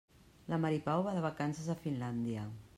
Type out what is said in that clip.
La Mari Pau va de vacances a Finlàndia.